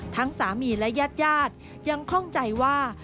ทั้งสามีและญาติยัดยังคล่องใจว่า